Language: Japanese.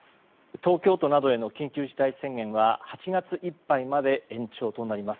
東京都などへの緊急事態宣言は８月いっぱいまで延長となります。